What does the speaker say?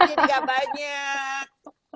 supaya makannya tidak banyak